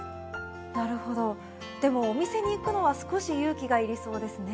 なるほどでもお店に行くのは少し勇気がいりそうですね。